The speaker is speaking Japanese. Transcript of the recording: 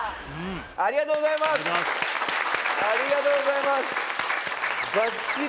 ありがとうございますバッチリ！